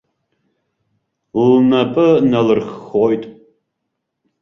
Лнапы налырххоит.